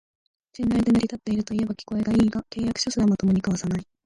信頼で成り立ってるといえば聞こえはいいが、契約書すらまともに交わさない